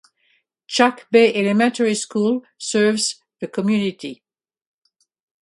Chackbay Elementary School serves the community.